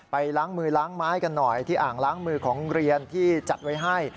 ล้างมือล้างไม้กันหน่อยที่อ่างล้างมือของเรียนที่จัดไว้ให้